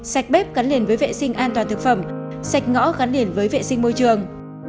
sạch bếp gắn liền với vệ sinh an toàn thực phẩm sạch ngõ gắn liền với vệ sinh môi trường